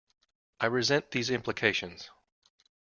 I resent these implications.